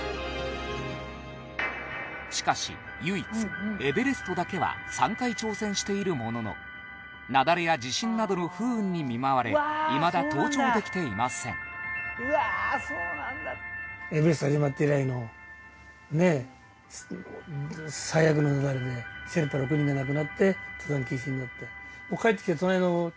しかし唯一エベレストだけは３回挑戦しているものの雪崩や地震などの不運に見舞われいまだ登頂できていませんエベレスト始まって以来のね最悪の雪崩でシェルパ６人が亡くなって登山禁止になってもう帰ってきて隣のね